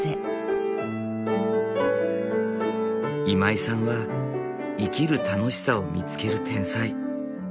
今井さんは生きる楽しさを見つける天才。